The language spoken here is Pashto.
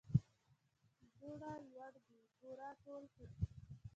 دوړه، لوړ دي، بوره، ټول کړه، ببره د قافیې مثالونه.